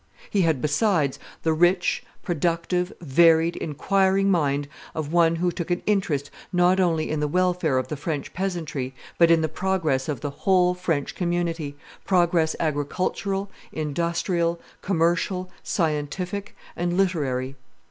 He had, besides, the rich, productive, varied, inquiring mind of one who took an interest not only in the welfare of the French peasantry, but in the progress of the whole French community, progress agricultural, industrial, commercial, scientific, and literary.